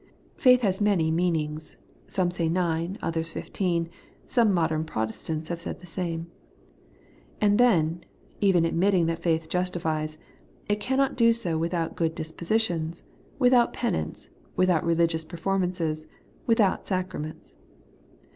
Faith has many meanings (some said nine, others fifteen; some modem Protestants have said the same) ; and then, even admitting that faith justifies, it cannot do so without good dispositions, without penance, without religious performances, without sacraments.